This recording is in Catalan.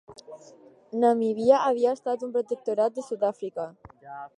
Namíbia havia estat un protectorat de Sud-àfrica.